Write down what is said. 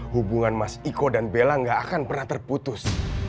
hubungan mas iko dan bella gak akan pernah terputus